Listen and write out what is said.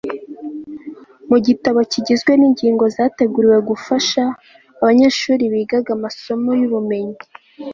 mu gitabo kigizwe n'ingingo zateguriwe gufasha abanyeshulibigaga amasomo yubumenyi